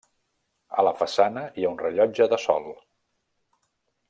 A la façana, hi ha un rellotge de sol.